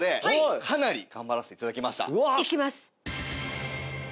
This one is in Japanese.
いきます。